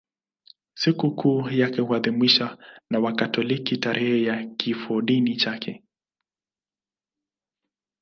Sikukuu yake huadhimishwa na Wakatoliki tarehe ya kifodini chake.